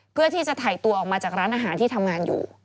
เพื่อที่จะถ่ายตัวออกมาจากร้านอาหารที่ทำงานอยู่